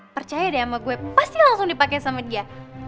percaya deh sama gue pasti langsung dipakai sama dia